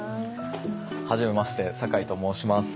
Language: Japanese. はじめまして酒井と申します。